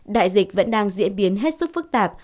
đại dịch vẫn đang diễn biến hết sức phức tạp